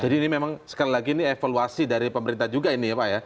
jadi ini memang sekali lagi ini evaluasi dari pemerintah juga ini ya pak ya